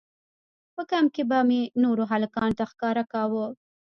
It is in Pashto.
په کمپ کښې به مې نورو هلکانو ته ښکاره کاوه.